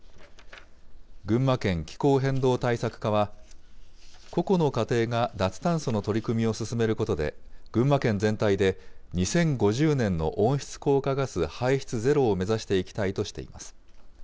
群馬県気候変動対策課は、個々の家庭が脱炭素の取り組みを進めることで、群馬県全体で２０５０年の温室効果ガス排出ゼロを目指していきたいとしています。